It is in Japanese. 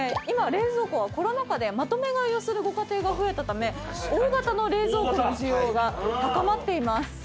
今冷蔵庫はコロナ禍でまとめ買いをするご家庭が増えたため大型の冷蔵庫の需要が高まっています。